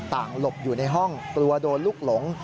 หลบอยู่ในห้องกลัวโดนลูกหลง